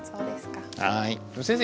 先生